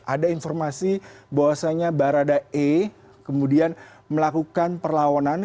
ada informasi bahwasannya barada e kemudian melakukan perlawanan